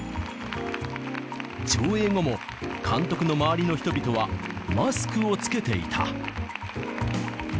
上映後も、監督の周りの人々はマスクを着けていた。